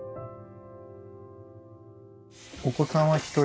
お子さんは１人？